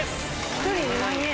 １人２万円！